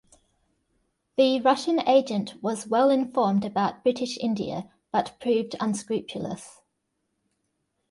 The Russian agent was well-informed about British India, but proved unscrupulous.